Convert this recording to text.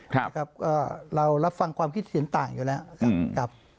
ครับเรารับฟังความคิดเสียงต่างอยู่แล้วครับ